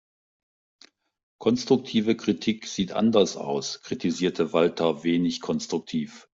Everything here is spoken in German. Konstruktive Kritik sieht anders aus, kritisierte Walter wenig konstruktiv.